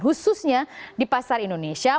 khususnya di pasar indonesia